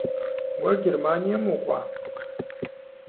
Уэ Германием укӏуа?